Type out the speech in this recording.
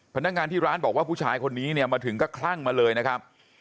พนักงานที่ร้านบอกว่าผู้ชายคนนี้เนี่ยมาถึงก็คลั่งมาเลยนะครับ